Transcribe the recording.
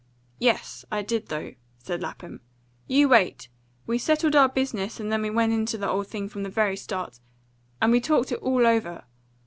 "Yes, I did, though," said Lapham. "You wait. We settled our business, and then we went into the old thing, from the very start. And we talked it all over.